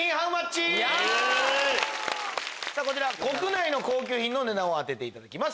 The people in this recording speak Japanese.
こちら国内の高級品の値段を当てていただきます。